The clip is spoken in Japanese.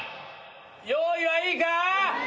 用意はいいか？